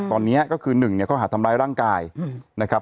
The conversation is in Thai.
ตอนนี้ก็คือ๑ข้อหาดทำร้ายร่างกายนะครับ